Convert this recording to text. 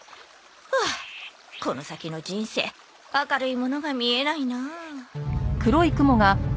ふうこの先の人生明るいものが見えないなあ。